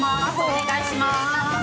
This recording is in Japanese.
お願いします！